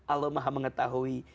allah maha mengetahui